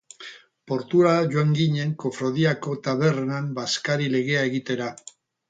Portura joan ginen kofradiako tabernan bazkari legea egitera.